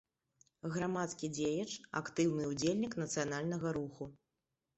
Грамадскі дзеяч, актыўны ўдзельнік нацыянальнага руху.